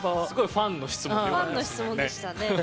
ファンの質問でしたね。